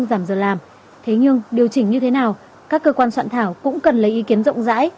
giảm giờ làm thế nhưng điều chỉnh như thế nào các cơ quan soạn thảo cũng cần lấy ý kiến rộng rãi